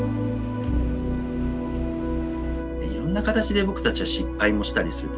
いろんな形で僕たちは失敗もしたりする。